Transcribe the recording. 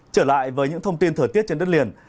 trở lại với những thông tin thời tiết trên đất liền